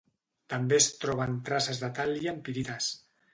També es troben traces de tal·li en pirites.